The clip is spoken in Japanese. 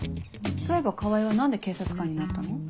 そういえば川合は何で警察官になったの？